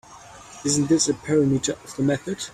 Isn’t this a parameter of the method?